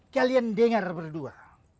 kalian dengar berdua